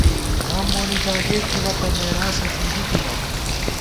غم مونی جاگیر تھِبہ تہ مېراثہ فېدِی تِبہ